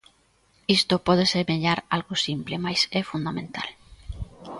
Isto pode semellar algo simple mais é fundamental.